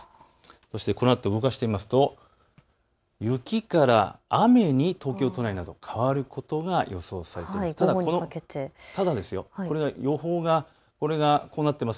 そしてこのあと動かしてみますと雪から雨に東京都内、変わることが予想されています。